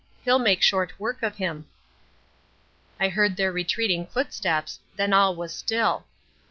He'll make short work of him.' "I heard their retreating footsteps and then all was still.